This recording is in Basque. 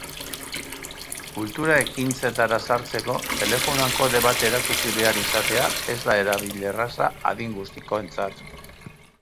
Kultura ekintzetara sartzeko telefonoan kode bat erakutsi behar izatea ez da erabilerraza adin guztikoentzat.